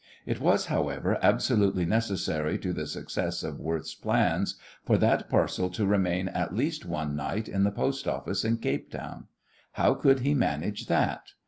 It was, however, absolutely necessary to the success of Worth's plans for that parcel to remain at least one night in the post office in Cape Town. How could he manage that?